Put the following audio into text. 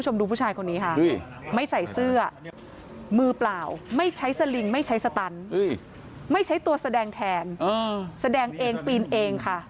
ไม่ใส่เสื้อมือเปล่าไม่ใช้สลิงไม่ใช้สตันไม่ใช้ตัวแสดงแทนแสดงเองปีนเอง